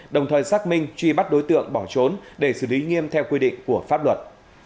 đồng thời xác minh truy bắt đối tượng bỏ trốn để xử lý nghiêm theo quy định của pháp luật